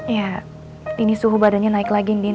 iya ini suhu badannya naik lagi din